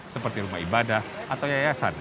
seperti rumah ibadah atau yayasan